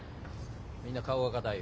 みんな顔が硬いよ。